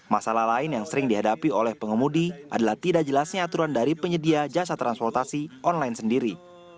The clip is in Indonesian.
masalah lain yang sering dihadapi oleh pengemudi adalah tidak jelasnya aturan dari penyedia jasa transportasi online sendiri